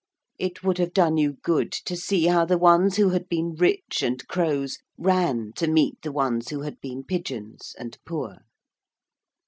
It would have done you good to see how the ones who had been rich and crows ran to meet the ones who had been pigeons and poor.